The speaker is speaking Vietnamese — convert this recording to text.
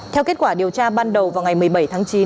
theo kết quả điều tra ban đầu vào ngày một mươi bảy tháng chín